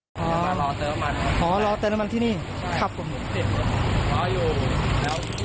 ออกไปแล้วแล้วช่วงนั้นผมก็หันมาก